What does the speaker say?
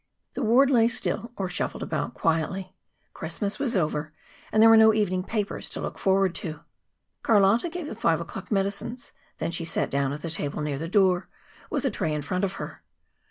The ward lay still or shuffled abut quietly. Christmas was over, and there were no evening papers to look forward to. Carlotta gave the five o'clock medicines. Then she sat down at the table near the door, with the tray in front of her.